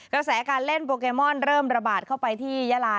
กระแสการเล่นโปเกมอนเริ่มระบาดเข้าไปที่ยาลา